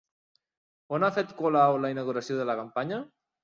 On ha fet Colau la inauguració de la campanya?